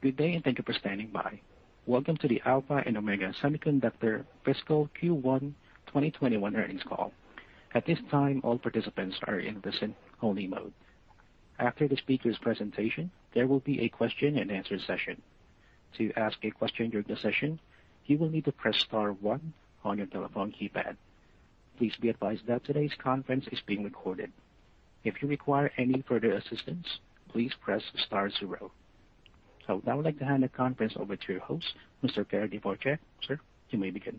Good day, and thank you for standing by. Welcome to the Alpha and Omega Semiconductor fiscal Q1 2021 earnings call. At this time, all participants are in listen-only mode. After the speaker's presentation, there will be a question-and-answer session. To ask a question during the session, you will need to press star one on your telephone keypad. Please be advised that today's conference is being recorded. If you require any further assistance, please press star zero. I would now like to hand the conference over to your host, Mr. Gary Dvorchak. Sir, you may begin.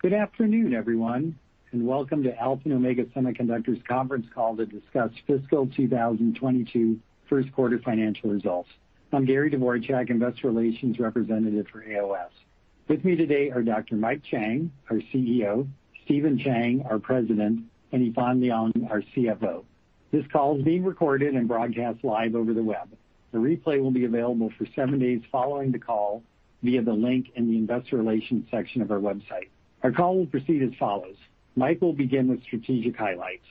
Good afternoon, everyone, and welcome to Alpha and Omega Semiconductor conference call to discuss fiscal 2022 first quarter financial results. I'm Gary Dvorchak, investor relations representative for AOS. With me today are Dr. Mike Chang, our CEO, Stephen Chang, our president, and Yifan Liang, our CFO. This call is being recorded and broadcast live over the web. The replay will be available for seven days following the call via the link in the investor relations section of our website. Our call will proceed as follows. Mike will begin with strategic highlights,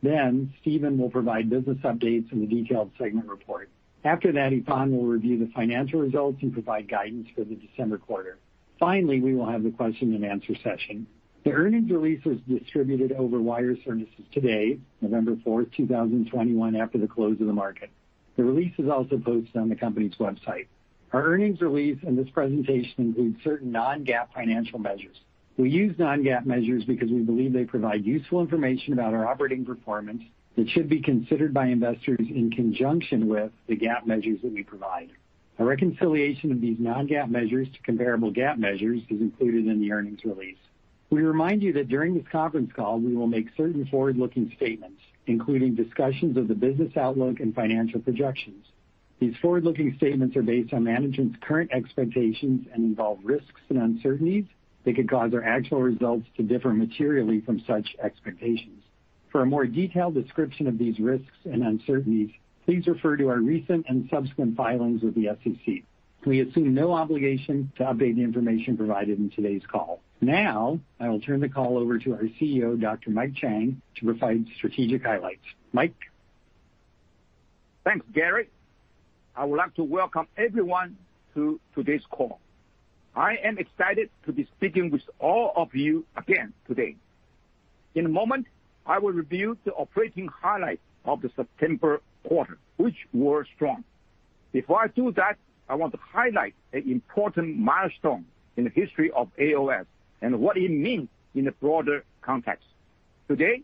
then Stephen will provide business updates and the detailed segment report. After that, Yifan will review the financial results and provide guidance for the December quarter. Finally, we will have the question-and-answer session. The earnings release was distributed over wire services today, November 4, 2021, after the close of the market. The release is also posted on the company's website. Our earnings release and this presentation include certain non-GAAP financial measures. We use non-GAAP measures because we believe they provide useful information about our operating performance that should be considered by investors in conjunction with the GAAP measures that we provide. A reconciliation of these non-GAAP measures to comparable GAAP measures is included in the earnings release. We remind you that during this conference call, we will make certain forward-looking statements, including discussions of the business outlook and financial projections. These forward-looking statements are based on management's current expectations and involve risks and uncertainties that could cause our actual results to differ materially from such expectations. For a more detailed description of these risks and uncertainties, please refer to our recent and subsequent filings with the SEC. We assume no obligation to update the information provided in today's call. Now, I will turn the call over to our CEO, Dr. Mike Chang, to provide strategic highlights. Mike? Thanks, Gary. I would like to welcome everyone to today's call. I am excited to be speaking with all of you again today. In a moment, I will review the operating highlights of the September quarter, which were strong. Before I do that, I want to highlight an important milestone in the history of AOS and what it means in the broader context. Today,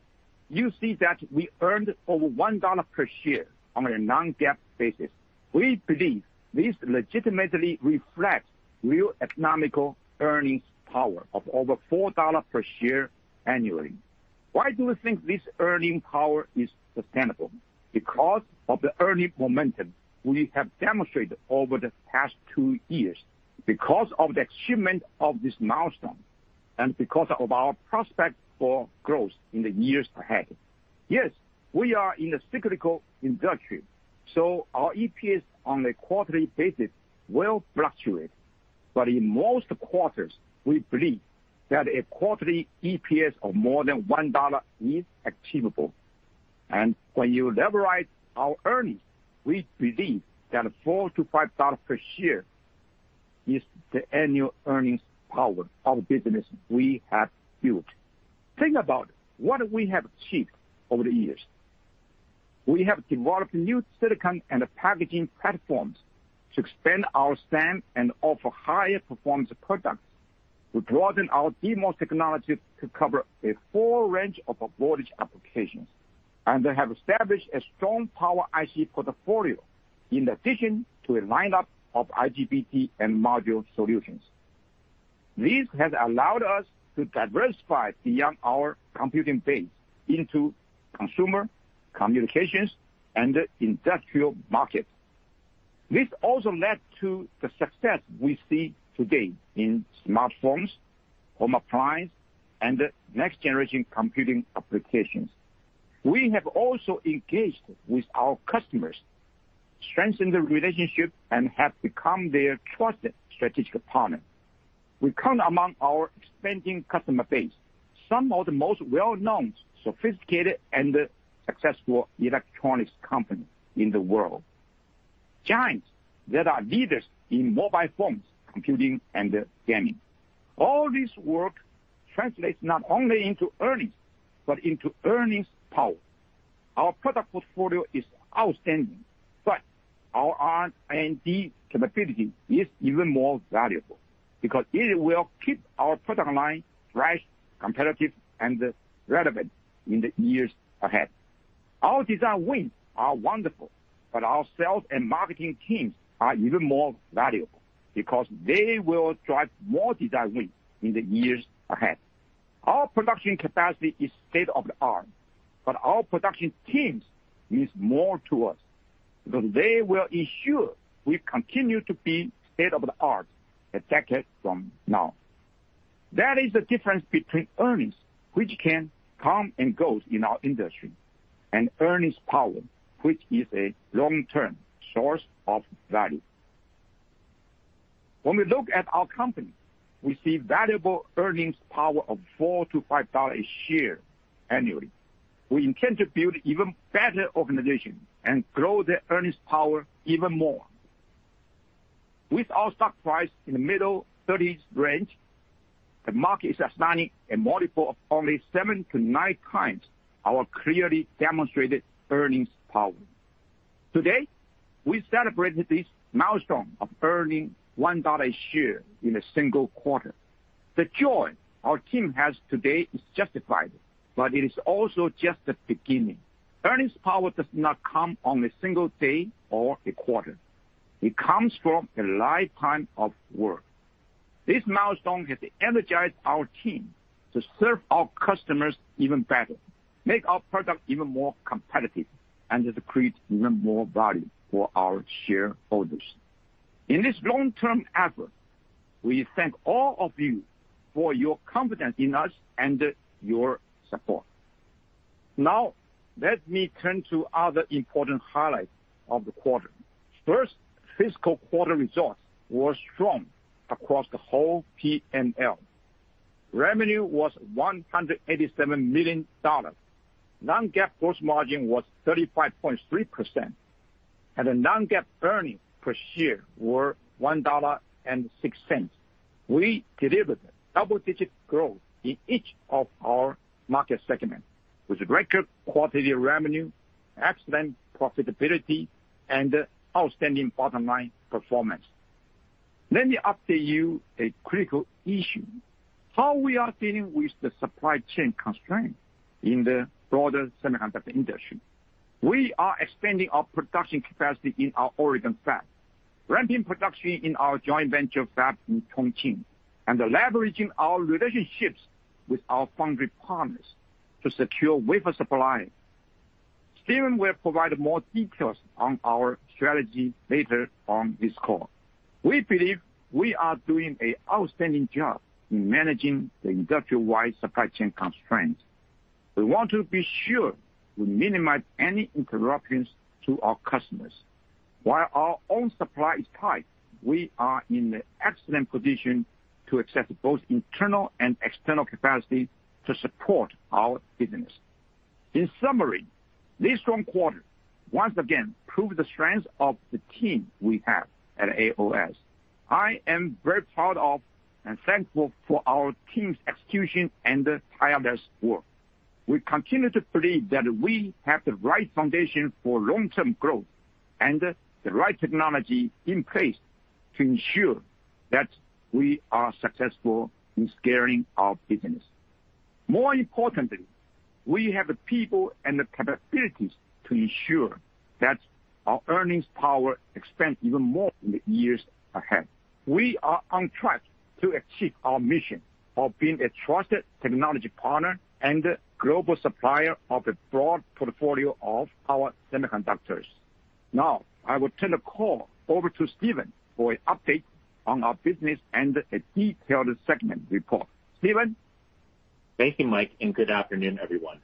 you see that we earned over $1 per share on a non-GAAP basis. We believe this legitimately reflects real economic earnings power of over $4 per share annually. Why do we think this earning power is sustainable? Because of the early momentum we have demonstrated over the past two years, because of the achievement of this milestone, and because of our prospect for growth in the years ahead. Yes, we are in a cyclical industry, so our EPS on a quarterly basis will fluctuate. In most quarters, we believe that a quarterly EPS of more than $1 is achievable. When you leverage our earnings, we believe that $4-$5 per share is the annual earnings power of business we have built. Think about what we have achieved over the years. We have developed new silicon and packaging platforms to expand our span and offer higher performance products. We've broadened our DMOS technology to cover a full range of voltage applications, and they have established a strong power IC portfolio in addition to a lineup of IGBT and module solutions. This has allowed us to diversify beyond our computing base into consumer communications and industrial markets. This also led to the success we see today in smartphones, home appliance, and next-generation computing applications. We have also engaged with our customers, strengthened the relationship, and have become their trusted strategic partner. We count among our expanding customer base some of the most well-known, sophisticated, and successful electronics companies in the world, giants that are leaders in mobile phones, computing, and gaming. All this work translates not only into earnings, but into earnings power. Our product portfolio is outstanding, but our R&D capability is even more valuable because it will keep our product line fresh, competitive, and relevant in the years ahead. Our design wins are wonderful, but our sales and marketing teams are even more valuable because they will drive more design wins in the years ahead. Our production capacity is state-of-the-art, but our production teams means more to us because they will ensure we continue to be state-of-the-art a decade from now. That is the difference between earnings, which can come and go in our industry, and earnings power, which is a long-term source of value. When we look at our company, we see valuable earnings power of $4-$5 a share annually. We intend to build even better organization and grow the earnings power even more. With our stock price in the middle thirties range, the market is assigning a multiple of only seven to nine times our clearly demonstrated earnings power. Today, we celebrate this milestone of earning $1 a share in a single quarter. The joy our team has today is justified, but it is also just the beginning. Earnings power does not come on a single day or a quarter. It comes from a lifetime of work. This milestone has energized our team to serve our customers even better, make our product even more competitive, and to create even more value for our shareholders. In this long-term effort, we thank all of you for your confidence in us and your support. Now, let me turn to other important highlights of the quarter. First, fiscal quarter results were strong across the whole PNL. Revenue was $187 million. Non-GAAP gross margin was 35.3%. The non-GAAP earnings per share were $1.06. We delivered double-digit growth in each of our market segments, with record quality of revenue, excellent profitability, and outstanding bottom line performance. Let me update you on a critical issue, how we are dealing with the supply chain constraint in the broader semiconductor industry. We are expanding our production capacity in our Oregon fab, ramping production in our joint venture fab in Chongqing, and leveraging our relationships with our foundry partners to secure wafer supply. Stephen will provide more details on our strategy later on this call. We believe we are doing an outstanding job in managing the industry-wide supply chain constraints. We want to be sure we minimize any interruptions to our customers. While our own supply is tight, we are in an excellent position to accept both internal and external capacity to support our business. In summary, this strong quarter once again proved the strength of the team we have at AOS. I am very proud of and thankful for our team's execution and tireless work. We continue to believe that we have the right foundation for long-term growth and the right technology in place to ensure that we are successful in scaling our business. More importantly, we have the people and the capabilities to ensure that our earnings power expands even more in the years ahead. We are on track to achieve our mission of being a trusted technology partner and a global supplier of a broad portfolio of power semiconductors. Now, I will turn the call over to Stephen for an update on our business and a detailed segment report. Stephen? Thank you, Mike, and good afternoon, everyone.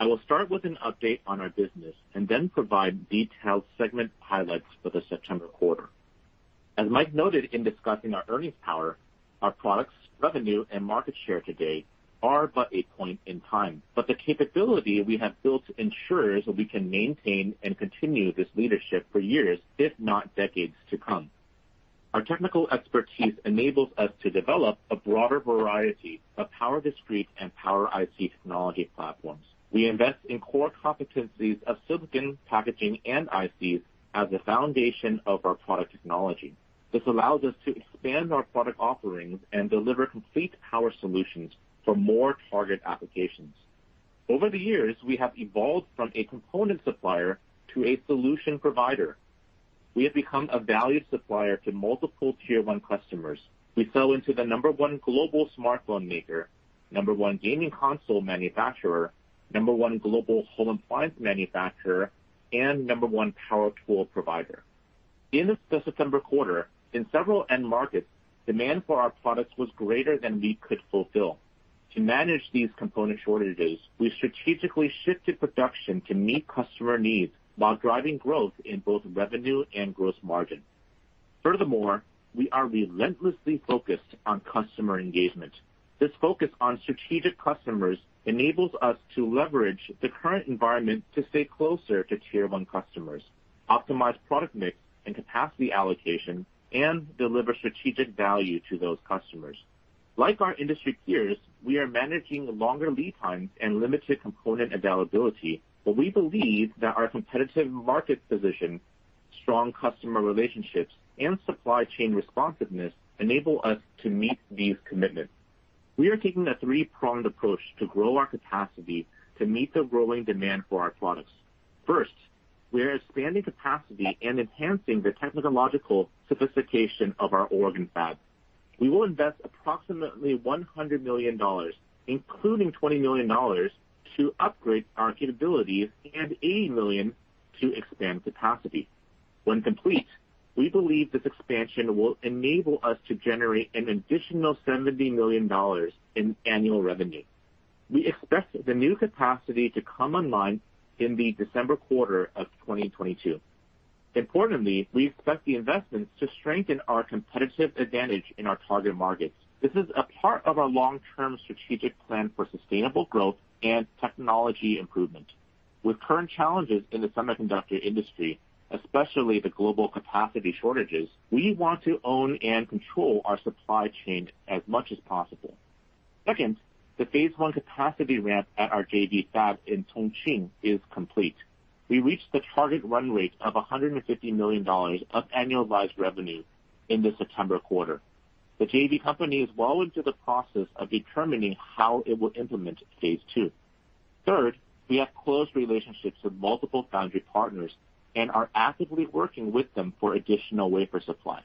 I will start with an update on our business and then provide detailed segment highlights for the September quarter. As Mike noted in discussing our earnings power, our products, revenue, and market share today are but a point in time, but the capability we have built ensures that we can maintain and continue this leadership for years, if not decades to come. Our technical expertise enables us to develop a broader variety of power discrete and power IC technology platforms. We invest in core competencies of silicon, packaging, and ICs as the foundation of our product technology. This allows us to expand our product offerings and deliver complete power solutions for more target applications. Over the years, we have evolved from a component supplier to a solution provider. We have become a valued supplier to multiple tier-one customers. We sell into the number one global smartphone maker, number one gaming console manufacturer, number one global home appliance manufacturer, and number one power tool provider. In the September quarter, in several end markets, demand for our products was greater than we could fulfill. To manage these component shortages, we strategically shifted production to meet customer needs while driving growth in both revenue and gross margin. Furthermore, we are relentlessly focused on customer engagement. This focus on strategic customers enables us to leverage the current environment to stay closer to tier-one customers, optimize product mix and capacity allocation, and deliver strategic value to those customers. Like our industry peers, we are managing longer lead times and limited component availability, but we believe that our competitive market position, strong customer relationships, and supply chain responsiveness enable us to meet these commitments. We are taking a three-pronged approach to grow our capacity to meet the growing demand for our products. First, we are expanding capacity and enhancing the technological sophistication of our Oregon fab. We will invest approximately $100 million, including $20 million, to upgrade our capabilities and $80 million to expand capacity. When complete, we believe this expansion will enable us to generate an additional $70 million in annual revenue. We expect the new capacity to come online in the December quarter of 2022. Importantly, we expect the investments to strengthen our competitive advantage in our target markets. This is a part of our long-term strategic plan for sustainable growth and technology improvement. With current challenges in the semiconductor industry, especially the global capacity shortages, we want to own and control our supply chain as much as possible. Second, the phase I capacity ramp at our JV fab in Chongqing is complete. We reached the target run rate of $150 million of annualized revenue in the September quarter. The JV company is well into the process of determining how it will implement phase II. Third, we have close relationships with multiple foundry partners and are actively working with them for additional wafer supply.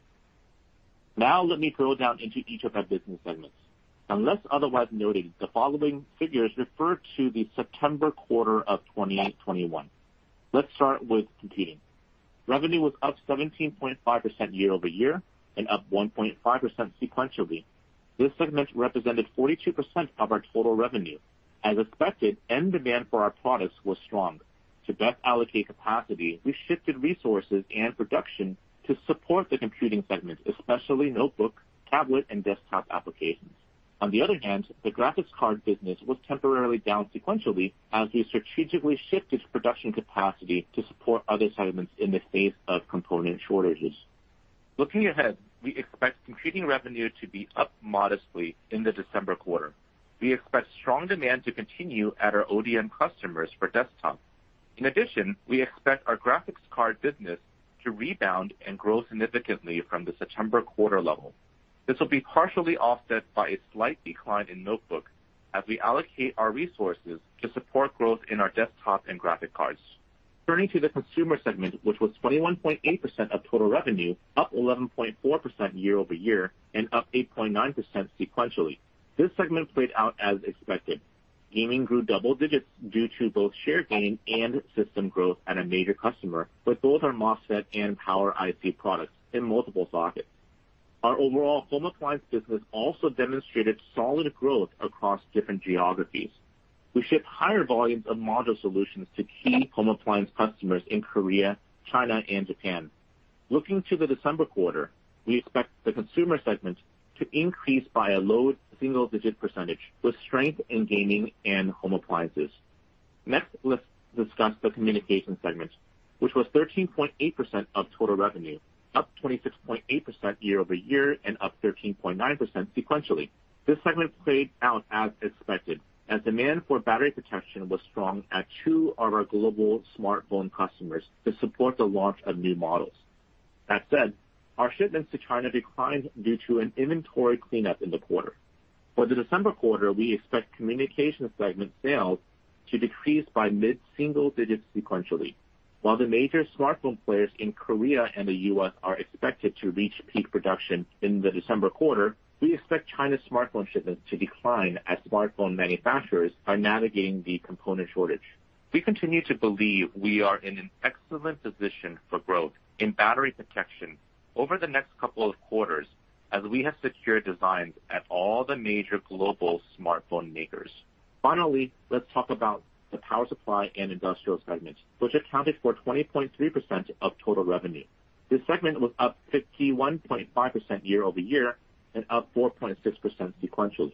Now let me drill down into each of our business segments. Unless otherwise noted, the following figures refer to the September quarter of 2021. Let's start with computing. Revenue was up 17.5% year-over-year and up 1.5% sequentially. This segment represented 42% of our total revenue. As expected, end demand for our products was strong. To best allocate capacity, we shifted resources and production to support the computing segments, especially notebook, tablet, and desktop applications. On the other hand, the graphics card business was temporarily down sequentially as we strategically shifted production capacity to support other segments in the face of component shortages. Looking ahead, we expect computing revenue to be up modestly in the December quarter. We expect strong demand to continue at our ODM customers for desktop. In addition, we expect our graphics card business to rebound and grow significantly from the September quarter level. This will be partially offset by a slight decline in notebooks as we allocate our resources to support growth in our desktops and graphics cards. Turning to the consumer segment, which was 21.8% of total revenue, up 11.4% year-over-year and up 8.9% sequentially. This segment played out as expected. Gaming grew double digits due to both share gain and system growth at a major customer, with both our MOSFET and Power IC products in multiple sockets. Our overall home appliance business also demonstrated solid growth across different geographies. We shipped higher volumes of module solutions to key home appliance customers in Korea, China, and Japan. Looking to the December quarter, we expect the consumer segment to increase by a low single-digit percentage, with strength in gaming and home appliances. Next, let's discuss the communication segment, which was 13.8% of total revenue, up 26.8% year-over-year and up 13.9% sequentially. This segment played out as expected, as demand for battery protection was strong at two of our global smartphone customers to support the launch of new models. That said, our shipments to China declined due to an inventory cleanup in the quarter. For the December quarter, we expect communication segment sales to decrease by mid-single digits sequentially. While the major smartphone players in Korea and the U.S. are expected to reach peak production in the December quarter, we expect China's smartphone shipments to decline as smartphone manufacturers are navigating the component shortage. We continue to believe we are in an excellent position for growth in battery protection over the next couple of quarters as we have secured designs at all the major global smartphone makers. Finally, let's talk about the power supply and industrial segments, which accounted for 20.3% of total revenue. This segment was up 51.5% year-over-year and up 4.6% sequentially.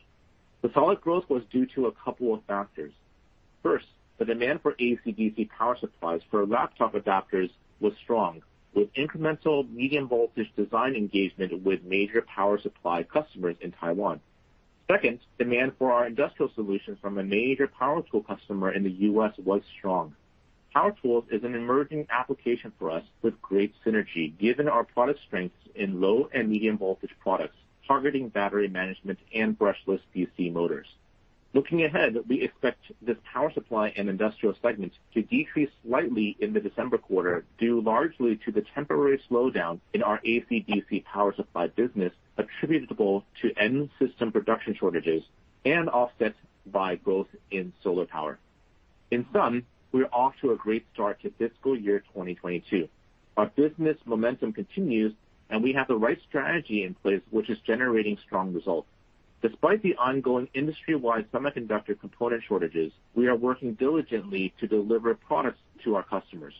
The solid growth was due to a couple of factors. First, the demand for AC-DC power supplies for laptop adapters was strong, with incremental medium voltage design engagement with major power supply customers in Taiwan. Second, demand for our industrial solutions from a major power tool customer in the U.S. was strong. Power tools is an emerging application for us with great synergy, given our product strengths in low and medium voltage products, targeting battery management and brushless DC motors. Looking ahead, we expect this power supply and industrial segment to decrease slightly in the December quarter, due largely to the temporary slowdown in our AC-DC power supply business, attributable to end system production shortages and offsets by growth in solar power. In sum, we're off to a great start to fiscal year 2022. Our business momentum continues, and we have the right strategy in place, which is generating strong results. Despite the ongoing industry-wide semiconductor component shortages, we are working diligently to deliver products to our customers.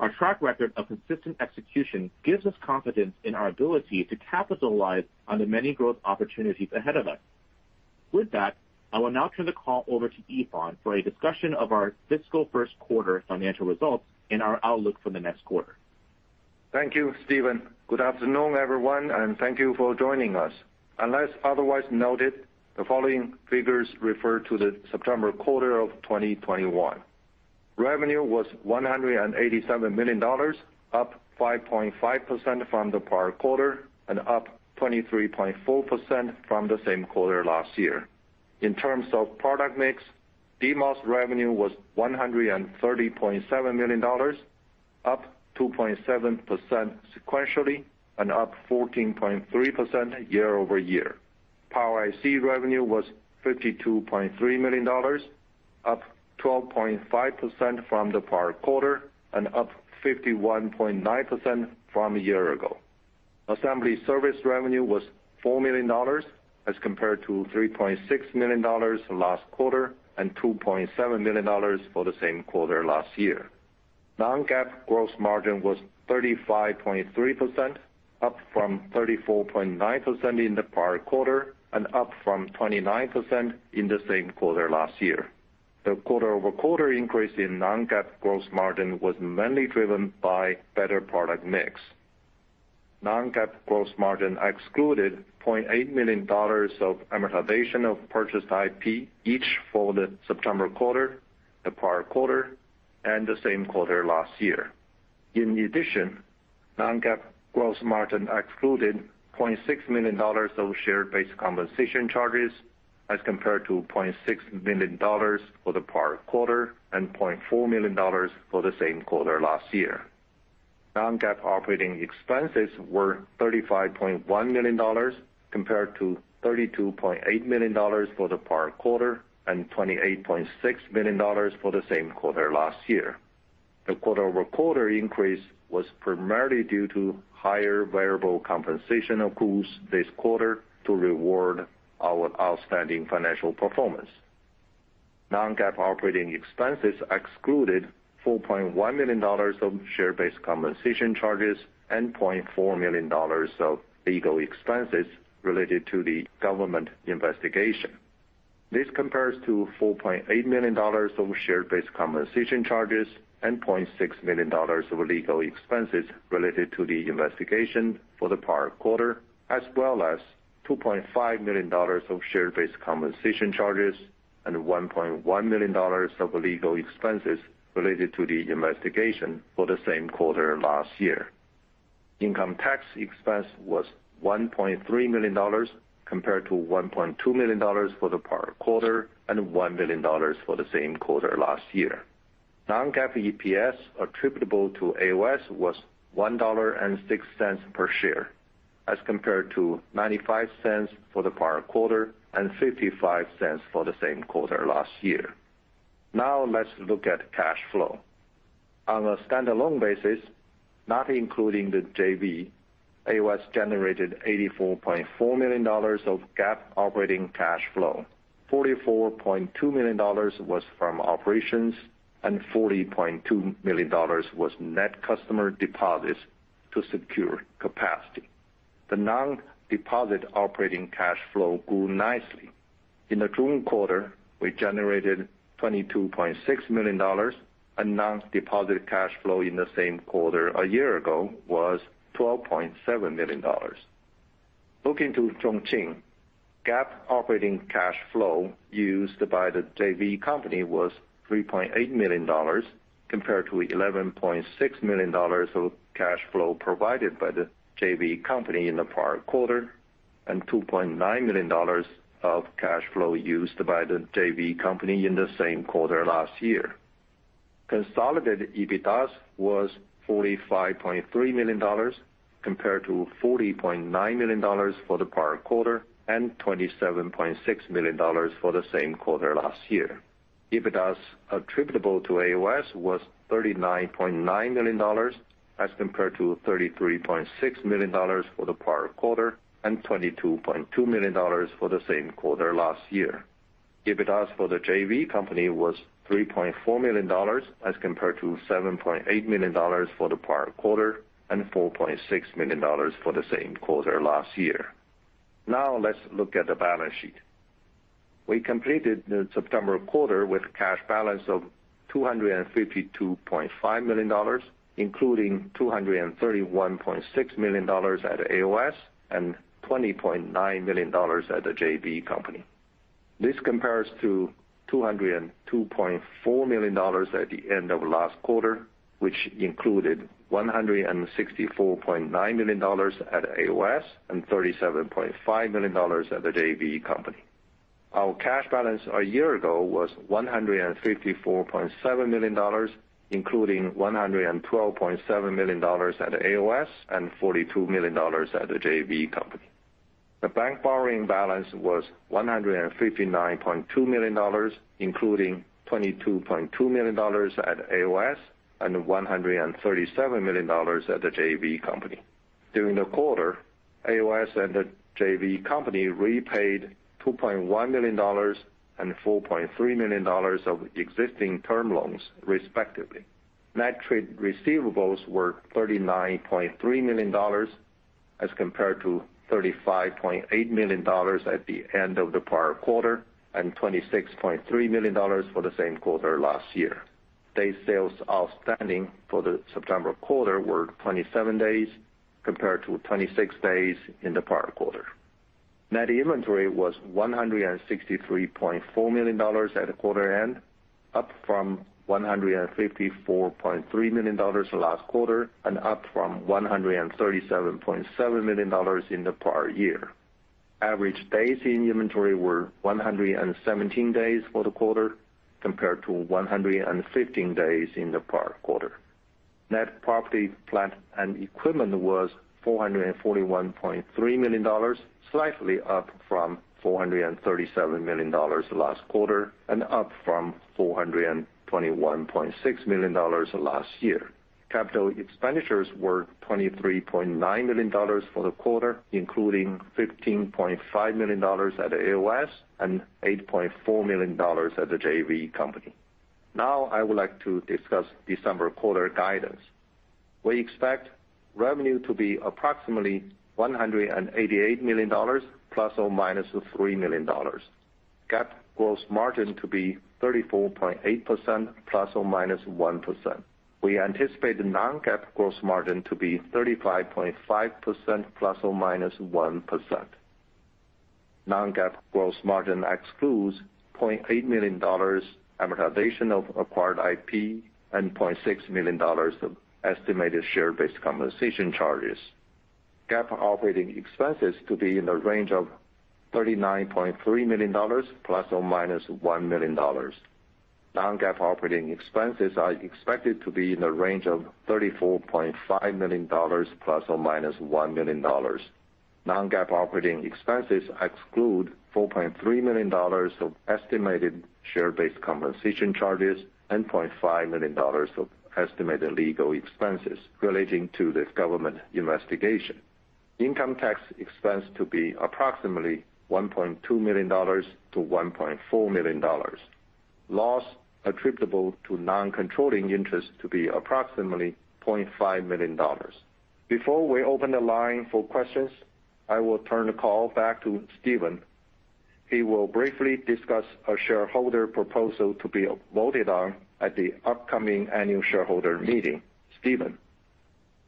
Our track record of consistent execution gives us confidence in our ability to capitalize on the many growth opportunities ahead of us. With that, I will now turn the call over to Yifan for a discussion of our fiscal first quarter financial results and our outlook for the next quarter. Thank you, Stephen. Good afternoon, everyone, and thank you for joining us. Unless otherwise noted, the following figures refer to the September quarter of 2021. Revenue was $187 million, up 5.5% from the prior quarter and up 23.4% from the same quarter last year. In terms of product mix, DMOS revenue was $130.7 million, up 2.7% sequentially and up 14.3% year-over-year. Power IC revenue was $52.3 million, up 12.5% from the prior quarter and up 51.9% from a year ago. Assembly service revenue was $4 million as compared to $3.6 million last quarter and $2.7 million for the same quarter last year. Non-GAAP gross margin was 35.3%, up from 34.9% in the prior quarter and up from 29% in the same quarter last year. The quarter-over-quarter increase in non-GAAP gross margin was mainly driven by better product mix. Non-GAAP gross margin excluded $0.8 million of amortization of purchased IP each for the September quarter, the prior quarter and the same quarter last year. In addition, non-GAAP gross margin excluded $0.6 million of share-based compensation charges as compared to $0.6 million for the prior quarter and $0.4 million for the same quarter last year. Non-GAAP operating expenses were $35.1 million compared to $32.8 million for the prior quarter and $28.6 million for the same quarter last year. The quarter-over-quarter increase was primarily due to higher variable compensation accruals this quarter to reward our outstanding financial performance. Non-GAAP operating expenses excluded $4.1 million of share-based compensation charges and $0.4 million of legal expenses related to the government investigation. This compares to $4.8 million of share-based compensation charges and $0.6 million of legal expenses related to the investigation for the prior quarter, as well as $2.5 million of share-based compensation charges and $1.1 million of legal expenses related to the investigation for the same quarter last year. Income tax expense was $1.3 million compared to $1.2 million for the prior quarter and $1 million for the same quarter last year. Non-GAAP EPS attributable to AOS was $1.06 per share, as compared to $0.95 for the prior quarter and $0.55 for the same quarter last year. Now let's look at cash flow. On a standalone basis, not including the JV, AOS generated $84.4 million of GAAP operating cash flow. $44.2 million was from operations, and $40.2 million was net customer deposits to secure capacity. The non-deposit operating cash flow grew nicely. In the June quarter, we generated $22.6 million, and non-deposit cash flow in the same quarter a year ago was $12.7 million. Looking to Chongqing, GAAP operating cash flow used by the JV company was $3.8 million compared to $11.6 million of cash flow provided by the JV company in the prior quarter, and $2.9 million of cash flow used by the JV company in the same quarter last year. Consolidated EBITDA was $45.3 million compared to $40.9 million for the prior quarter and $27.6 million for the same quarter last year. EBITDA attributable to AOS was $39.9 million as compared to $33.6 million for the prior quarter and $22.2 million for the same quarter last year. EBITDA for the JV company was $3.4 million as compared to $7.8 million for the prior quarter and $4.6 million for the same quarter last year. Now let's look at the balance sheet. We completed the September quarter with a cash balance of $252.5 million, including $231.6 million at AOS and $20.9 million at the JV company. This compares to $202.4 million at the end of last quarter, which included $164.9 million at AOS and $37.5 million at the JV company. Our cash balance a year ago was $154.7 million, including $112.7 million at AOS and $42 million at the JV company. The bank borrowing balance was $159.2 million, including $22.2 million at AOS and $137 million at the JV company. During the quarter, AOS and the JV company repaid $2.1 million and $4.3 million of existing term loans, respectively. Net trade receivables were $39.3 million as compared to $35.8 million at the end of the prior quarter and $26.3 million for the same quarter last year. Day sales outstanding for the September quarter were 27 days, compared to 26 days in the prior quarter. Net inventory was $163.4 million at the quarter end, up from $154.3 million last quarter and up from $137.7 million in the prior year. Average days in inventory were 117 days for the quarter, compared to 115 days in the prior quarter. Net property, plant and equipment was $441.3 million, slightly up from $437 million last quarter and up from $421.6 million last year. Capital expenditures were $23.9 million for the quarter, including $15.5 million at AOS and $8.4 million at the JV company. Now I would like to discuss December quarter guidance. We expect revenue to be approximately $188 million ±$3 million. GAAP gross margin to be 34.8% ±1%. We anticipate the non-GAAP gross margin to be 35.5% ±1%. Non-GAAP gross margin excludes $0.8 million amortization of acquired IP and $0.6 million of estimated share-based compensation charges. GAAP operating expenses to be in the range of $39.3 million ±$1 million. Non-GAAP operating expenses are expected to be in the range of $34.5 million ±$1 million. Non-GAAP operating expenses exclude $4.3 million of estimated share-based compensation charges and $0.5 million of estimated legal expenses relating to the government investigation. Income tax expense to be approximately $1.2 million-$1.4 million. Loss attributable to non-controlling interest to be approximately $0.5 million. Before we open the line for questions, I will turn the call back to Stephen. He will briefly discuss a shareholder proposal to be voted on at the upcoming annual shareholder meeting. Stephen.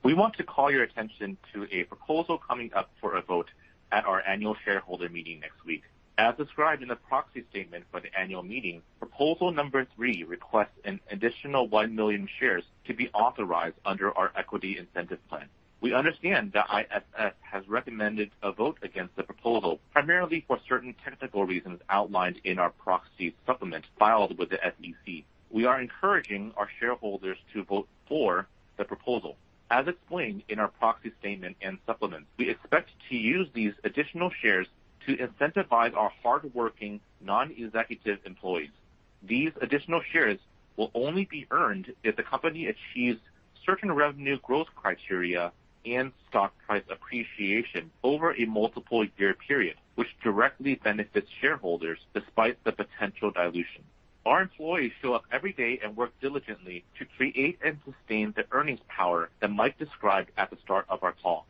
We want to call your attention to a proposal coming up for a vote at our annual shareholder meeting next week. As described in the proxy statement for the annual meeting, proposal number three requests an additional 1 million shares to be authorized under our equity incentive plan. We understand the ISS has recommended a vote against the proposal, primarily for certain technical reasons outlined in our proxy supplement filed with the SEC. We are encouraging our shareholders to vote for the proposal. As explained in our proxy statement and supplement, we expect to use these additional shares to incentivize our hardworking non-executive employees. These additional shares will only be earned if the company achieves certain revenue growth criteria and stock price appreciation over a multiple year period, which directly benefits shareholders despite the potential dilution. Our employees show up every day and work diligently to create and sustain the earnings power that Mike described at the start of our call.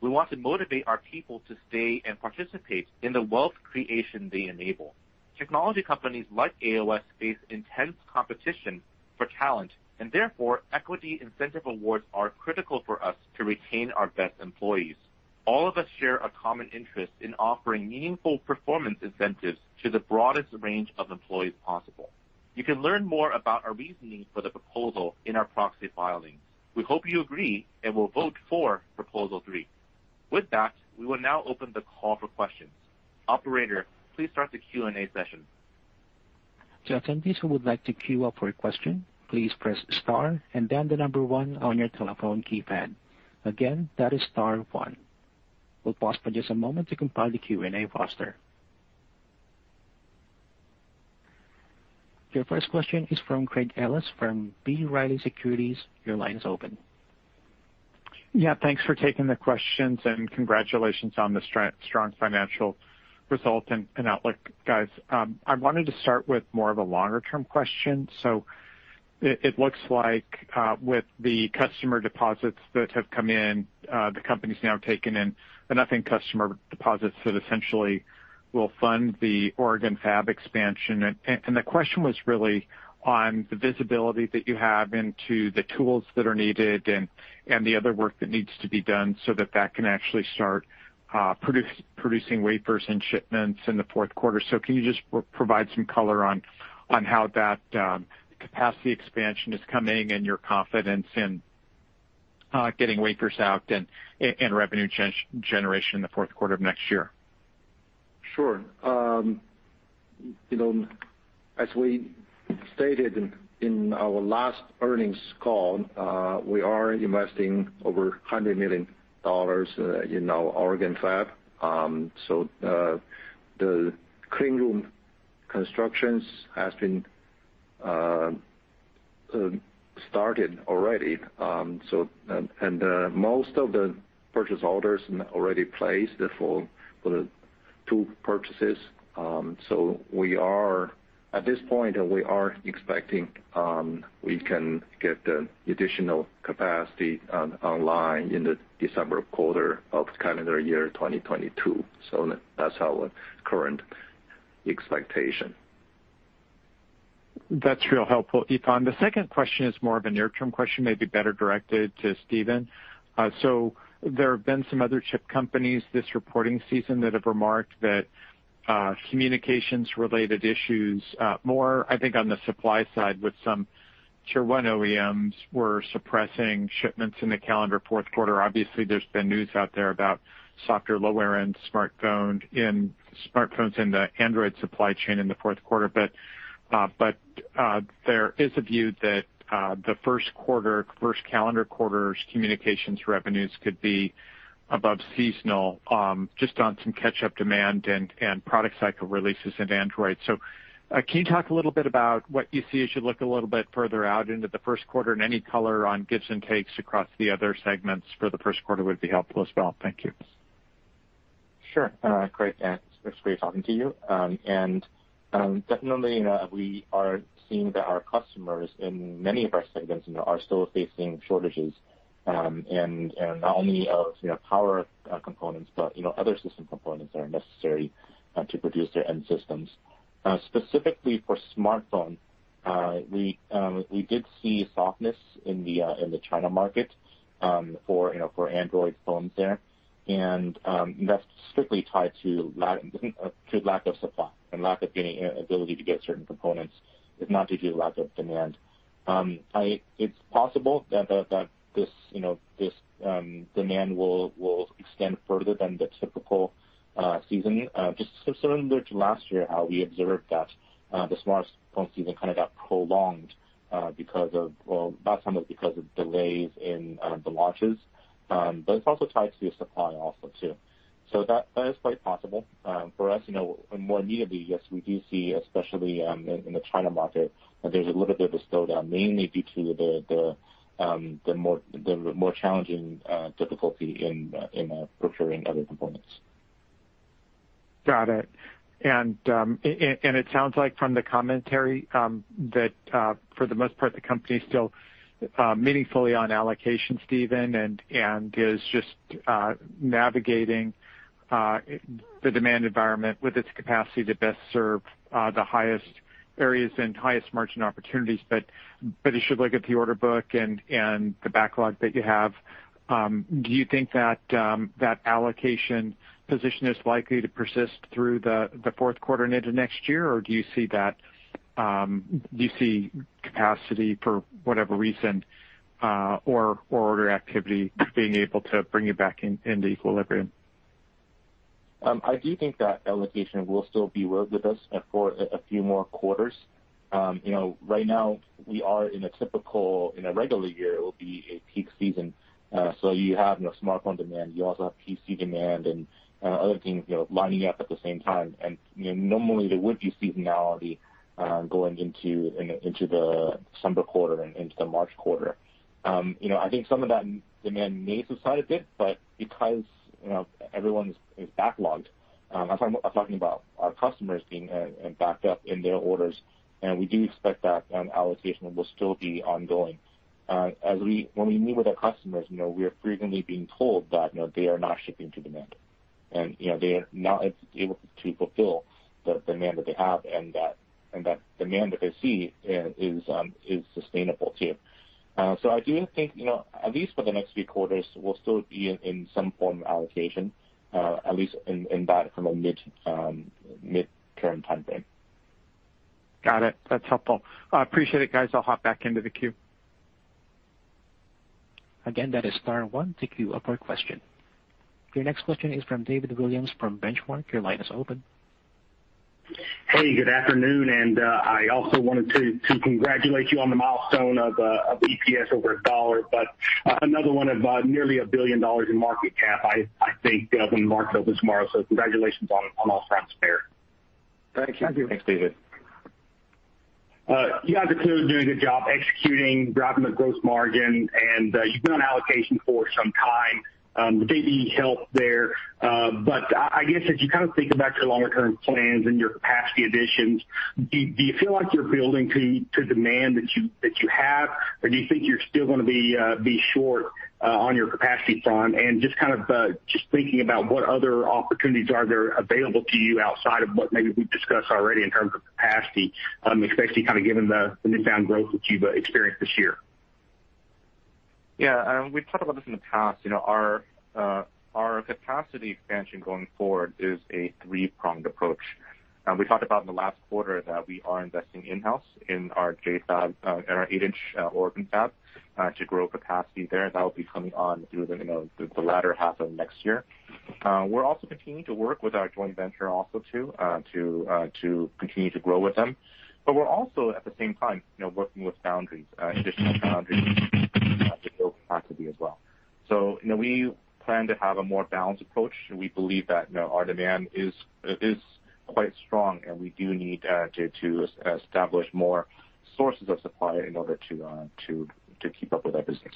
We want to motivate our people to stay and participate in the wealth creation they enable. Technology companies like AOS face intense competition for talent, and therefore equity incentive awards are critical for us to retain our best employees. All of us share a common interest in offering meaningful performance incentives to the broadest range of employees possible. You can learn more about our reasoning for the proposal in our proxy filing. We hope you agree and will vote for proposal three. With that, we will now open the call for questions. Operator, please start the Q&A session. To attendees who would like to queue up for a question, please press star and then the number one on your telephone keypad. Again, that is star one. We'll pause for just a moment to compile the Q&A roster. Your first question is from Craig Ellis from B. Riley Securities. Your line is open. Yeah, thanks for taking the questions and congratulations on the strong financial result and outlook, guys. I wanted to start with more of a longer-term question. It looks like with the customer deposits that have come in, the company's now taken in enough in customer deposits that essentially will fund the Oregon fab expansion. The question was really on the visibility that you have into the tools that are needed and the other work that needs to be done so that that can actually start producing wafers and shipments in the fourth quarter. Can you just provide some color on how that capacity expansion is coming and your confidence in getting wafers out and revenue generation in the fourth quarter of next year? Sure. You know, as we stated in our last earnings call, we are investing over $100 million in our Oregon fab. The clean room construction has been started already. Most of the purchase orders already placed for the tool purchases. At this point, we are expecting we can get the additional capacity online in the December quarter of calendar year 2022. That's our current expectation. That's real helpful, Yifan. The second question is more of a near-term question, maybe better directed to Stephen. So there have been some other chip companies this reporting season that have remarked that communications related issues, more, I think, on the supply side with some Tier One OEMs were suppressing shipments in the calendar fourth quarter. Obviously, there's been news out there about softer lower-end smartphones in the Android supply chain in the fourth quarter. There is a view that the first calendar quarter's communications revenues could be above seasonal, just on some catch-up demand and product cycle releases in Android. Can you talk a little bit about what you see as you look a little bit further out into the first quarter and any color on gives and takes across the other segments for the first quarter would be helpful as well? Thank you. Sure. Craig, it's great talking to you. Definitely, we are seeing that our customers in many of our segments, you know, are still facing shortages, and not only of, you know, power components, but, you know, other system components that are necessary to produce their end systems. Specifically for smartphone, we did see softness in the China market for, you know, for Android phones there. That's strictly tied to lack of supply and lack of ability to get certain components. It's not due to lack of demand. It's possible that this, you know, this demand will extend further than the typical season, just similar to last year, how we observed that the smartphone season kind of got prolonged. Well, last time it was because of delays in the launches, but it's also tied to supply also too. That is quite possible. For us, you know, more immediately, yes, we do see especially in the China market that there's a little bit of a slowdown, mainly due to the more challenging difficulty in procuring other components. Got it. It sounds like from the commentary that for the most part the company is still meaningfully on allocation, Stephen, and is just navigating the demand environment with its capacity to best serve the highest areas and highest margin opportunities. As you look at the order book and the backlog that you have, do you think that allocation position is likely to persist through the fourth quarter and into next year? Do you see capacity for whatever reason or order activity being able to bring you back into equilibrium? I do think that allocation will still be with us for a few more quarters. You know, right now we are in a regular year. It will be a peak season. You have, you know, smartphone demand. You also have PC demand and other things, you know, lining up at the same time. You know, normally there would be seasonality going into the December quarter and into the March quarter. You know, I think some of that demand may subside a bit. Because, you know, everyone is backlogged, I'm talking about our customers being backed up in their orders, and we do expect that allocation will still be ongoing. When we meet with our customers, you know, we are frequently being told that, you know, they are not shipping to demand. You know, they are not able to fulfill the demand that they have and that demand that they see is sustainable too. I do think, you know, at least for the next few quarters, we'll still be in some form of allocation, at least in that kind of mid-term timeframe. Got it. That's helpful. I appreciate it, guys. I'll hop back into the queue. Again, that is star one to queue up for a question. Your next question is from David Williams from Benchmark. Your line is open. Hey, good afternoon. I also wanted to congratulate you on the milestone of EPS over $1, but another one of nearly $1 billion in market cap, I think when the market opens tomorrow. Congratulations on all fronts there. Thank you. Thanks, David. You guys are clearly doing a good job executing, driving the gross margin, and you've been on allocation for some time, maybe help there. I guess as you kind of think about your longer term plans and your capacity additions, do you feel like you're building to demand that you have? Or do you think you're still gonna be short on your capacity front? Just thinking about what other opportunities are there available to you outside of what maybe we've discussed already in terms of capacity, especially kind of given the newfound growth that you've experienced this year. Yeah. We've talked about this in the past. You know, our capacity expansion going forward is a three-pronged approach. We talked about in the last quarter that we are investing in-house in our J-Fab, in our 8-inch Oregon Fab, to grow capacity there. That will be coming on through the, you know, the latter half of next year. We're also continuing to work with our joint venture also too, to continue to grow with them. We're also at the same time, you know, working with foundries, additional foundries to build capacity as well. You know, we plan to have a more balanced approach. We believe that, you know, our demand is quite strong, and we do need to establish more sources of supply in order to keep up with our business.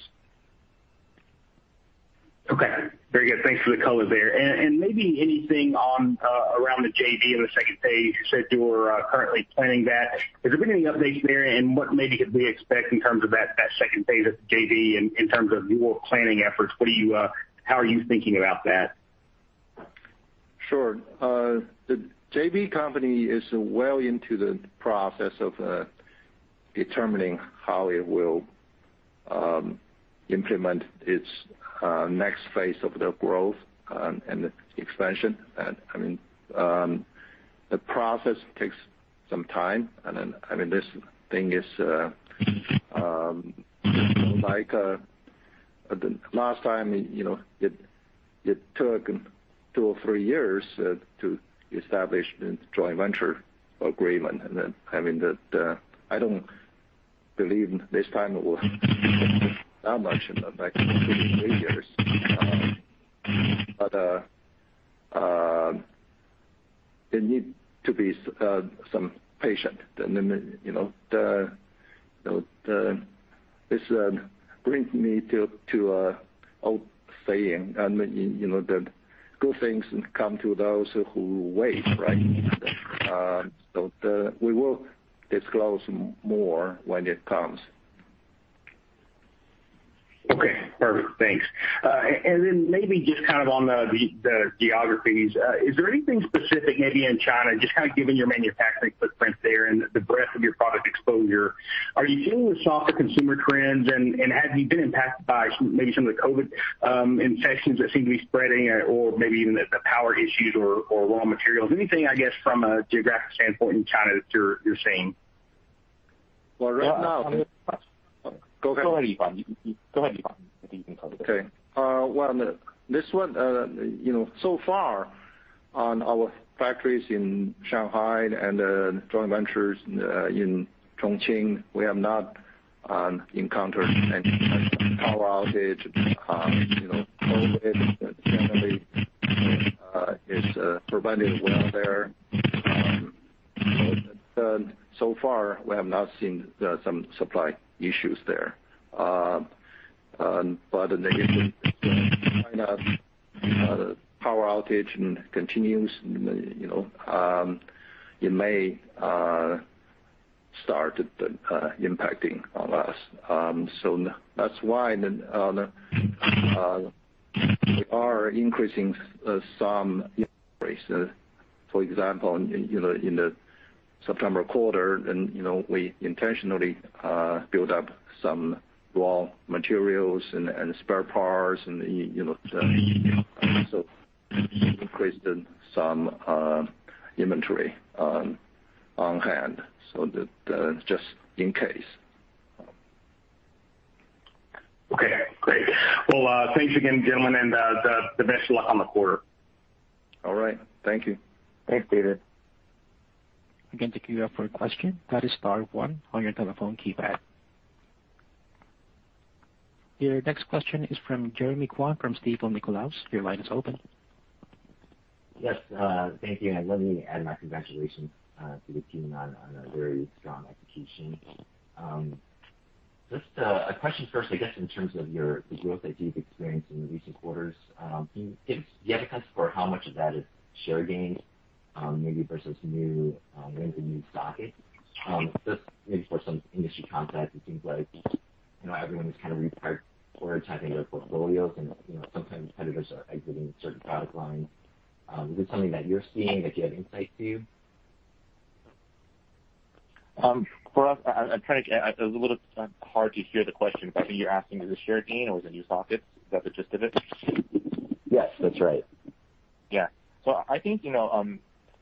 Okay. Very good. Thanks for the color there. Maybe anything on around the JV in the second phase. You said you were currently planning that. Has there been any updates there? What maybe could we expect in terms of that second phase of the JV in terms of your planning efforts? How are you thinking about that? Sure. The JV company is well into the process of determining how it will implement its next phase of the growth and expansion. I mean, the process takes some time. Then, I mean, this thing is like the last time, you know, it took two or three years to establish the joint venture agreement. Then, I mean, I don't believe this time it will that much, like two to three years. But they need to be somewhat patient. You know, this brings me to an old saying, you know, the good things come to those who wait, right? We will disclose more when it comes. Okay, perfect. Thanks. Maybe just kind of on the geographies, is there anything specific maybe in China, just kind of given your manufacturing footprint there and the breadth of your product exposure, are you feeling the softer consumer trends? Have you been impacted by some, maybe some of the COVID infections that seem to be spreading or maybe even the power issues or raw materials? Anything, I guess, from a geographic standpoint in China that you're seeing? Well, right now. Well, this one, you know, so far on our factories in Shanghai and joint ventures in Chongqing, we have not encountered any kind of power outage. You know, COVID definitely is preventing well there. So far we have not seen some supply issues there. If the China power outage continues, you know, it may start impacting on us. That's why then on we are increasing some. For example, you know, in the September quarter then, you know, we intentionally build up some raw materials and spare parts and, you know, so increased in some inventory on hand, so that just in case. Okay, great. Well, thanks again, gentlemen, and the best luck on the quarter. All right. Thank you. Thanks, David. Again, to queue up for a question, that is star one on your telephone keypad. Your next question is from Jeremy Kwan from Stifel Nicolaus. Your line is open. Yes, thank you. Let me add my congratulations to the team on a very strong execution. Just a question first, I guess in terms of the growth that you've experienced in recent quarters. Do you have a sense for how much of that is share gains, maybe versus new, you know, the new sockets? Just maybe for some industry context, it seems like, you know, everyone is kind of prioritizing their portfolios and, you know, sometimes competitors are exiting certain product lines. Is this something that you're seeing that you have insight to? For us, it was a little hard to hear the question. I think you're asking is it share gain or is it new sockets? Is that the gist of it? Yes, that's right. Yeah. I think, you know,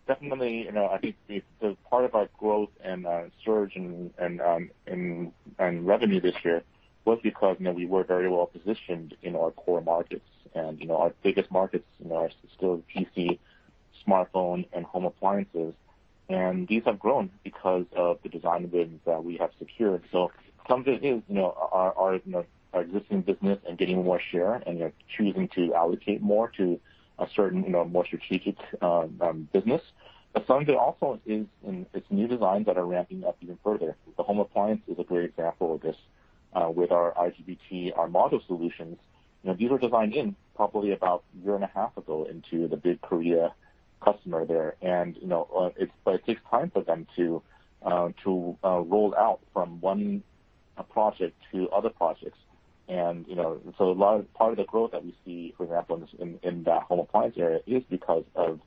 definitely, you know, I think the part of our growth and surge and revenue this year was because, you know, we were very well positioned in our core markets. You know, our biggest markets, you know, are still PC, smartphone, and home appliances. These have grown because of the design wins that we have secured. Some of it is, you know, our, you know, our existing business and getting more share, and they're choosing to allocate more to a certain, you know, more strategic business. Some of it also is in this new designs that are ramping up even further. The home appliance is a great example of this, with our IGBT, our module solutions. You know, these were designed in probably about a year and a half ago into the big Korea customer there. You know, but it takes time for them to roll out from one project to other projects. You know, so a lot of part of the growth that we see, for example, in that home appliance area is because of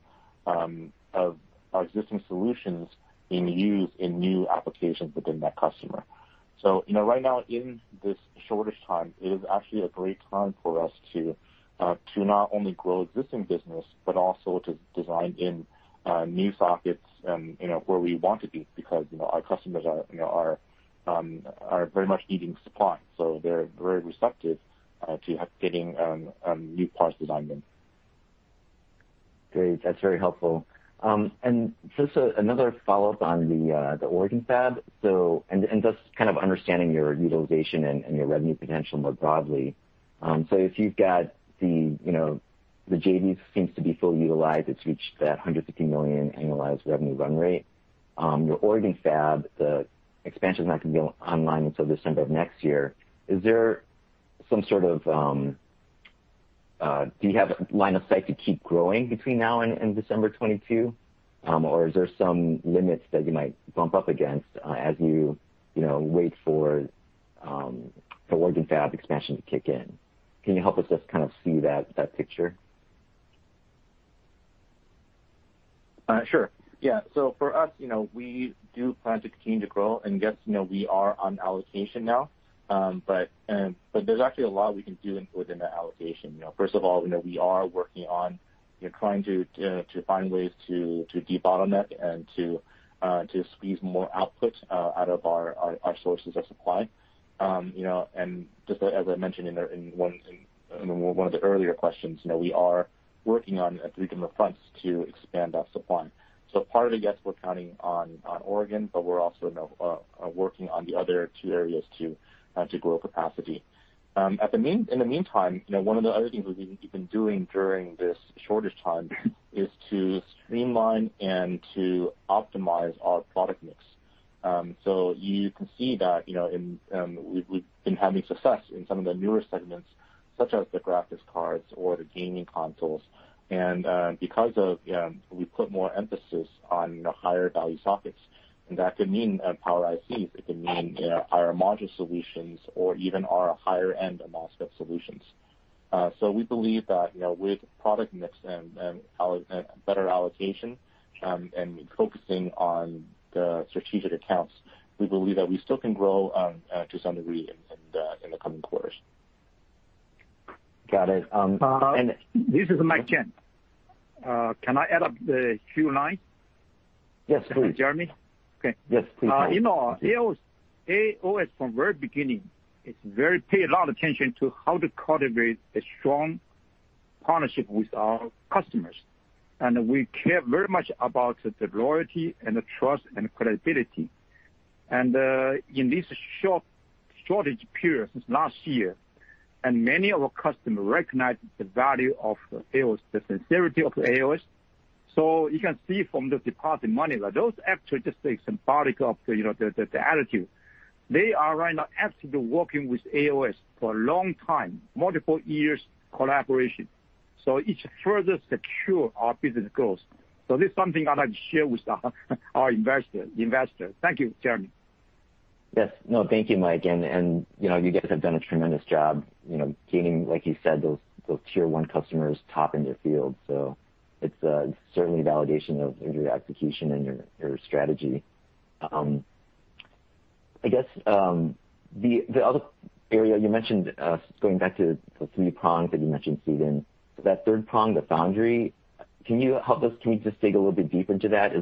our existing solutions being used in new applications within that customer. You know, right now, in this shortage time, it is actually a great time for us to not only grow existing business, but also to design in new sockets, you know, where we want to be because, you know, our customers are, you know, very much needing supply, so they're very receptive to having new parts designed in. Great. That's very helpful. Just another follow-up on the Oregon Fab, just kind of understanding your utilization and your revenue potential more broadly. If you've got, you know, the JVs seems to be fully utilized. It's reached that $150 million annualized revenue run rate. Your Oregon Fab, the expansion is not gonna be online until December of next year. Do you have line of sight to keep growing between now and December 2022, or is there some limits that you might bump up against, as you know, wait for the Oregon Fab expansion to kick in? Can you help us just kind of see that picture? Sure. Yeah. For us, you know, we do plan to continue to grow, and yes, you know, we are on allocation now. But there's actually a lot we can do within that allocation. You know, first of all, you know, we are working on trying to find ways to debottleneck and to squeeze more output out of our sources of supply. You know, and just as I mentioned in one of the earlier questions, you know, we are working on three different fronts to expand our supply. Part of it, yes, we're counting on Oregon, but we're also working on the other two areas to grow capacity. In the meantime, you know, one of the other things we've been doing during this shortage time is to streamline and to optimize our product mix. You can see that, you know, we've been having success in some of the newer segments, such as the graphics cards or the gaming consoles, because we put more emphasis on, you know, higher value sockets, and that could mean Power ICs, it could mean, you know, higher module solutions or even our higher end MOSFET solutions. We believe that, you know, with product mix and better allocation, and focusing on the strategic accounts, we believe that we still can grow to some degree in the coming quarters. Got it. This is Mike Chang. Can I add up the queue line? Yes, please. Jeremy? Okay. Yes, please. You know, AOS from very beginning, we pay a lot attention to how to cultivate a strong partnership with our customers. We care very much about the loyalty and the trust and credibility. In this short shortage period since last year, many of our customers recognize the value of AOS, the sincerity of AOS. You can see from the deposit money that those actually just a symbol of the, you know, the attitude. They are right now actively working with AOS for a long time, multiple years collaboration. It further secure our business growth. This is something I'd like to share with our investors. Thank you, Jeremy. Yes. No, thank you, Mike. You know, you guys have done a tremendous job, you know, gaining, like you said, those tier one customers top in their field. It's certainly a validation of your execution and your strategy. I guess, the other area you mentioned, going back to the three prongs that you mentioned, Steven. That third prong, the foundry, can you just dig a little bit deeper into that?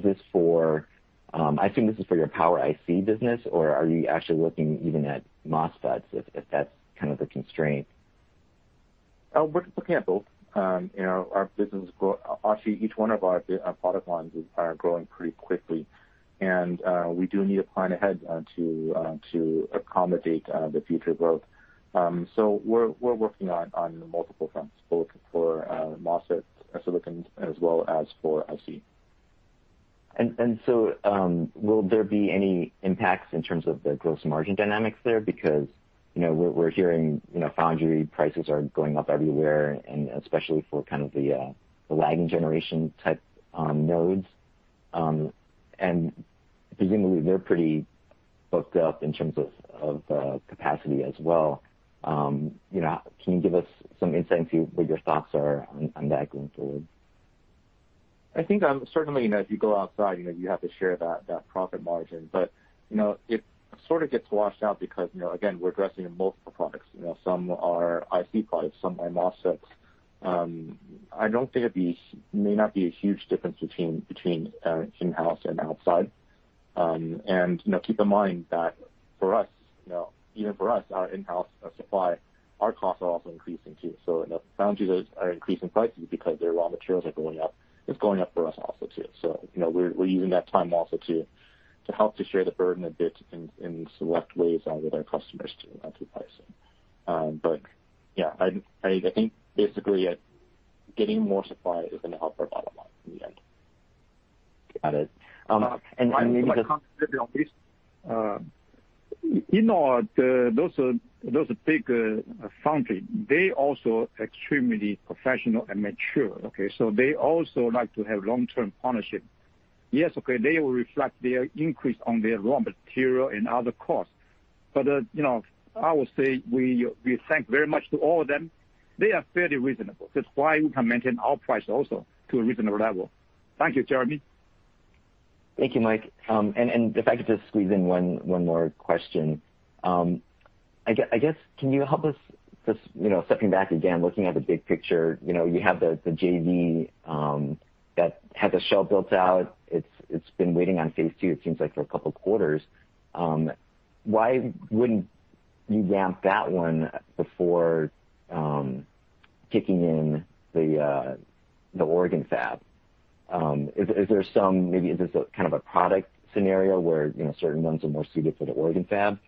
I assume this is for your Power IC business, or are you actually looking even at MOSFETs, if that's kind of the constraint? We're looking at both. You know, actually, each one of our product lines are growing pretty quickly. We do need to plan ahead to accommodate the future growth. We're working on multiple fronts, both for MOSFET silicon as well as for IC. Will there be any impacts in terms of the gross margin dynamics there? Because, you know, we're hearing, you know, foundry prices are going up everywhere and especially for kind of the lagging generation type nodes. Presumably they're pretty booked up in terms of capacity as well. You know, can you give us some insight into what your thoughts are on that going forward? I think, certainly, you know, if you go outside, you know, you have to share that profit margin. You know, it sort of gets washed out because, you know, again, we're addressing multiple products. You know, some are IC products, some are MOSFETs. I don't think may not be a huge difference between in-house and outside. You know, keep in mind that for us, you know, even for us, our in-house supply, our costs are also increasing too. You know, foundries are increasing prices because their raw materials are going up. It's going up for us also too. You know, we're using that time also to help to share the burden a bit in select ways with our customers to pricing. Yeah, I think basically, getting more supply is gonna help our bottom line in the end. Got it. Maybe just If I can just quickly on this. You know, those big foundry, they also extremely professional and mature, okay? They also like to have long-term partnership. Yes, okay, they will reflect their increase on their raw material and other costs. You know, I would say we thank very much to all of them. They are fairly reasonable. That's why we can maintain our price also to a reasonable level. Thank you, Jeremy. Thank you, Mike. If I could just squeeze in one more question. I guess can you help us just, you know, stepping back again, looking at the big picture. You know, you have the JV that has a shell built out. It's been waiting on phase II, it seems like, for a couple quarters. Why wouldn't you ramp that one before kicking in the Oregon fab? Is there some maybe is this a kind of a product scenario where, you know, certain ones are more suited for the Oregon fab?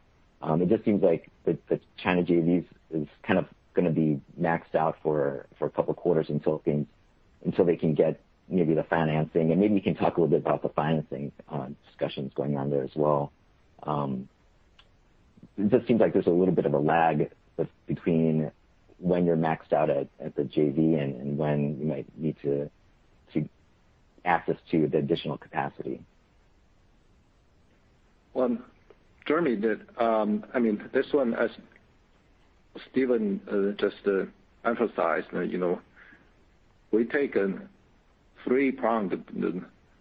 It just seems like the China JVs is kind of gonna be maxed out for a couple quarters until they can get maybe the financing. Maybe you can talk a little bit about the financing discussions going on there as well. It just seems like there's a little bit of a lag between when you're maxed out at the JV and when you might need to access the additional capacity. Well, Jeremy did, I mean, this one, as Stephen just emphasized, you know, we take a three-pronged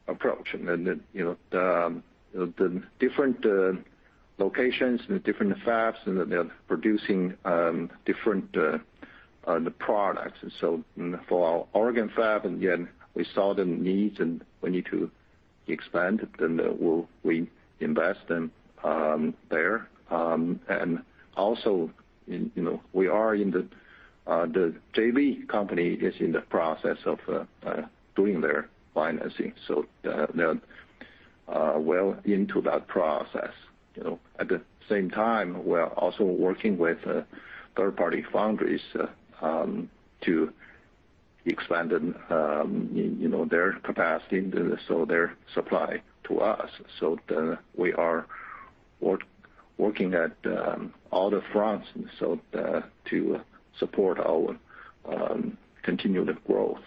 approach. You know, the different locations and different fabs, and they're producing different products. For our Oregon fab, and again, we saw the needs and we need to expand, then we'll invest in there. Also, you know, we are in the JV company is in the process of doing their financing. They are well into that process, you know. At the same time, we are also working with third-party foundries to expanded, you know, their capacity, so their supply to us. We are working at all the fronts so to support our continued growth.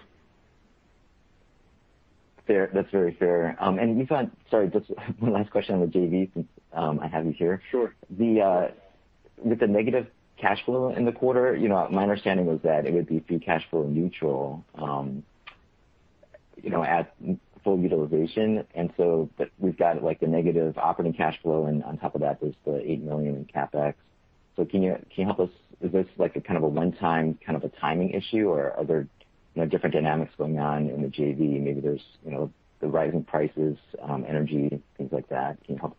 Fair. That's very fair. Yifan, sorry, just one last question on the JV since I have you here. Sure. With the negative cash flow in the quarter, you know, my understanding was that it would be free cash flow neutral, you know, at full utilization. But we've got, like, the negative operating cash flow, and on top of that, there's the $8 million in CapEx. Can you help us, is this like a one-time timing issue, or are there, you know, different dynamics going on in the JV? Maybe there's, you know, the rising prices, energy, things like that. Can you help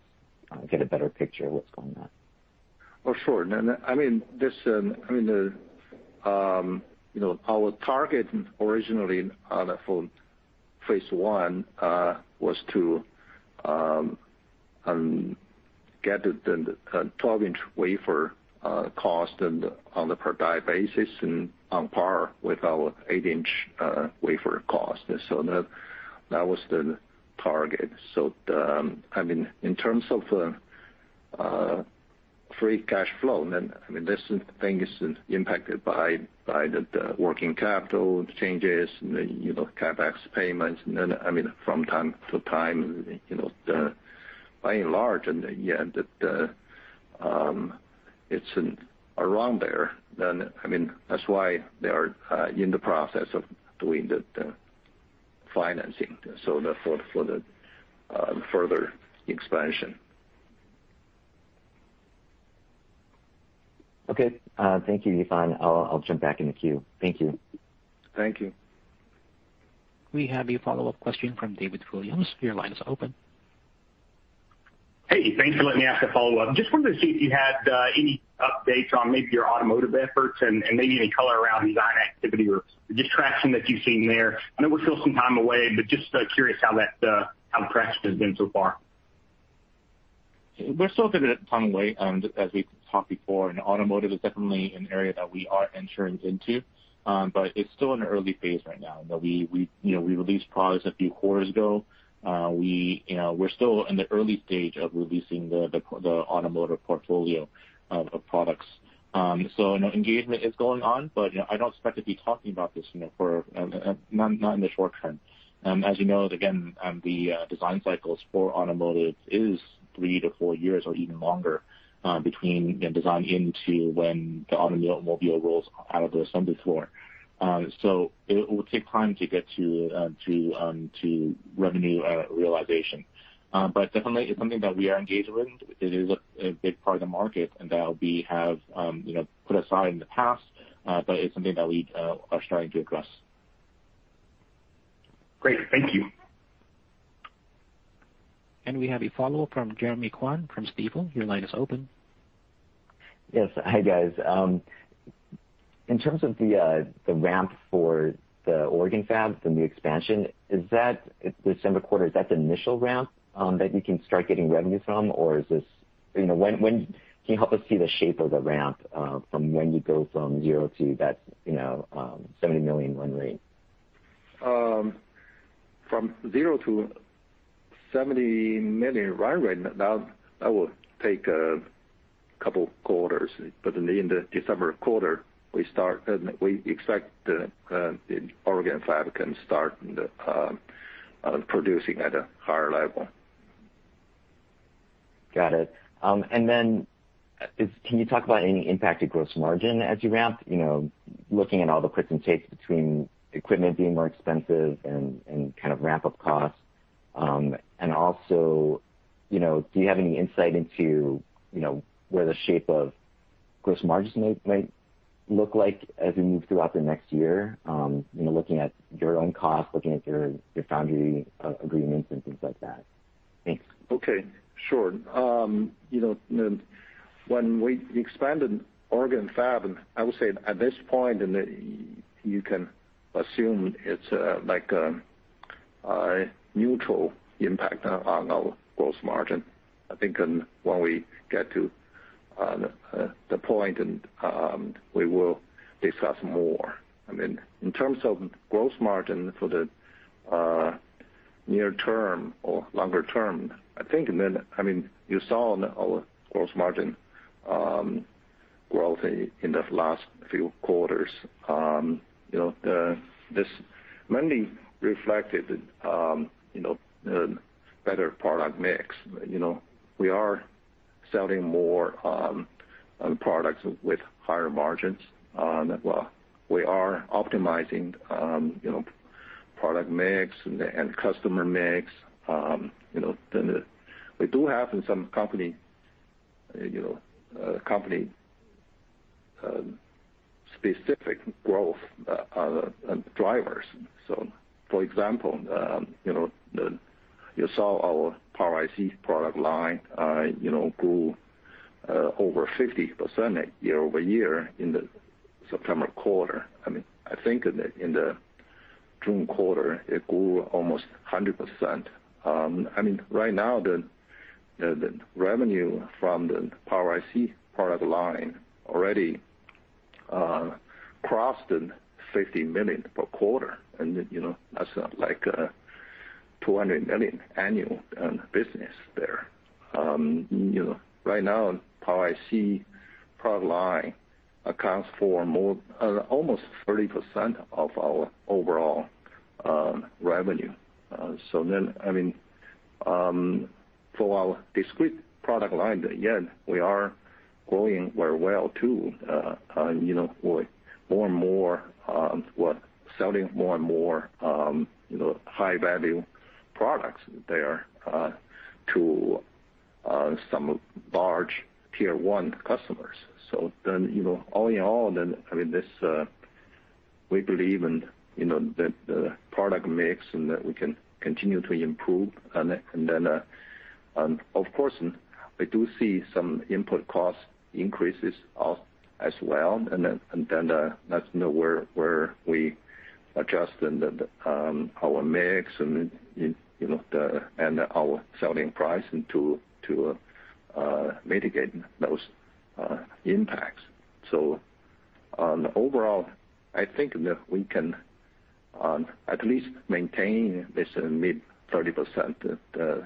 get a better picture of what's going on? Oh, sure. Now, I mean, this, I mean, the, you know, our target originally on a full phase I was to get the 12-inch wafer cost and on a per die basis and on par with our 8-inch wafer cost. That was the target. I mean, in terms of free cash flow, then, I mean, this thing is impacted by the working capital changes and, you know, CapEx payments. I mean, from time to time, you know, by and large, in the end, it's around there. I mean, that's why they are in the process of doing the financing. Therefore, for the further expansion. Okay. Thank you, Yifan. I'll jump back in the queue. Thank you. Thank you. We have a follow-up question from David Williams. Your line is open. Hey, thanks for letting me ask a follow-up. Just wanted to see if you had any updates on maybe your automotive efforts and maybe any color around design activity or just traction that you've seen there. I know we're still some time away, but just curious how the traction has been so far. We're still a bit of a ton away, as we've talked before, and automotive is definitely an area that we are entering into. It's still in the early phase right now that we you know we released products a few quarters ago. We you know we're still in the early stage of releasing the automotive portfolio of products. Engagement is going on, but you know I don't expect to be talking about this you know for not in the short term. As you know, again, the design cycles for automotive is three to four years or even longer, between the design into when the automobile rolls out of the assembly floor. It will take time to get to to revenue realization. Definitely it's something that we are engaged with. It is a big part of the market and that we have, you know, put aside in the past, but it's something that we are starting to address. Great. Thank you. We have a follow from Jeremy Kwan from Stifel. Your line is open. Yes. Hi, guys. In terms of the ramp for the Oregon Fab, the new expansion, is that December quarter, is that the initial ramp that you can start getting revenue from? Or is this, you know, when can you help us see the shape of the ramp from when you go from zero to that, you know, $70 million run rate? From 0 to $70 million run rate, that will take a couple quarters. In the December quarter, we expect the Oregon Fab can start producing at a higher level. Got it. Can you talk about any impact to gross margin as you ramp? You know, looking at all the puts and takes between equipment being more expensive and kind of ramp-up costs. You know, do you have any insight into, you know, where the shape of gross margins might look like as we move throughout the next year? You know, looking at your own costs, looking at your foundry agreements and things like that. Thanks. Okay. Sure. You know, when we expanded Oregon Fab, I would say at this point, and you can assume it's like a neutral impact on our gross margin. I think when we get to the point and we will discuss more. I mean, in terms of gross margin for the near term or longer term, I think then, I mean, you saw on our gross margin growth in the last few quarters. You know, this mainly reflected you know, better product mix. You know, we are selling more products with higher margins. Well, we are optimizing you know, product mix and customer mix. You know, then we do have some company-specific growth drivers. For example, you know, you saw our Power IC product line, you know, grew over 50% year-over-year in the September quarter. I mean, I think in the June quarter, it grew almost 100%. I mean, right now, the revenue from the Power IC product line already crossed $50 million per quarter and, you know, that's like $200 million annual business there. You know, right now, Power IC product line accounts for almost 30% of our overall revenue. For our discrete product line, again, we are growing very well too. You know, with more and more, we're selling more and more, you know, high-value products there to some large tier one customers. You know, all in all then, I mean, we believe in, you know, the product mix and that we can continue to improve. Of course, we do see some input cost increases as well, and then that's where we adjust and our mix and you know and our selling price and to mitigate those impacts. Overall, I think that we can at least maintain this mid-30%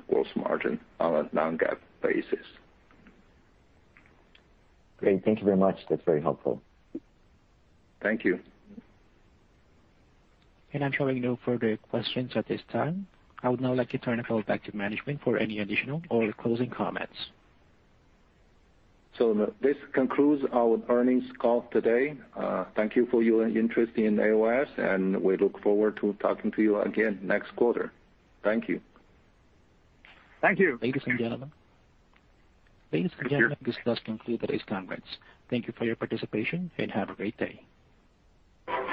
gross margin on a non-GAAP basis. Great. Thank you very much. That's very helpful. Thank you. I'm showing no further questions at this time. I would now like to turn the call back to management for any additional or closing comments. This concludes our earnings call today. Thank you for your interest in AOS, and we look forward to talking to you again next quarter. Thank you. Thank you. Ladies and gentlemen, this does conclude today's conference. Thank you for your participation, and have a great day.